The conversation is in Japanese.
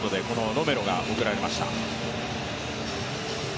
ロメロが送られました。